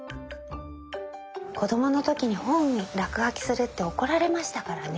子供の時に本に落書きするって怒られましたからね。